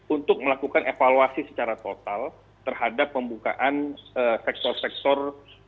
untuk melakukan evaluasi secara total terhadap pembukaan sektor sektor